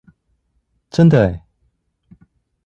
真的耶！